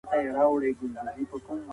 ميرويس خان نيکه څنګه د خلګو مشر سو؟